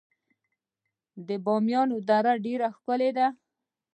د بامیان دره ډیره ښکلې ده